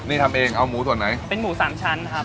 นี่ทำเองเอาหมูส่วนไหนเป็นหมูสามชั้นครับ